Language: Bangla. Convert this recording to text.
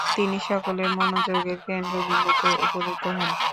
তিনি সকলের মনোযোগের কেন্দ্রবিন্দুতে উপনীত হন।